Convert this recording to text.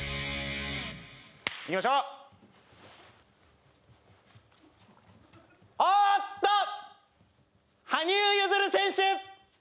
いきましょうおーっと羽生結弦選手